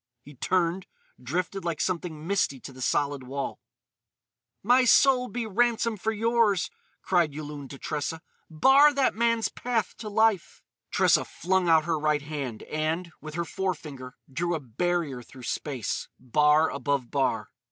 He turned, drifted like something misty to the solid wall. "My soul be ransom for yours!" cried Yulun to Tressa. "Bar that man's path to life!" Tressa flung out her right hand and, with her forefinger, drew a barrier through space, bar above bar.